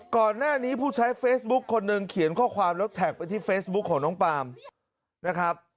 ก่อนหน้านี้ผู้ใช้เฟซบุ๊คคนหนึ่งเขียนข้อความแล้วแท็กไปที่เฟซบุ๊คของน้องปาล์มนะครับ